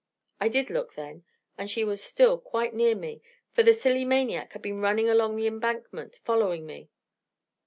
I did look then: and she was still quite near me, for the silly maniac had been running along the embankment, following me.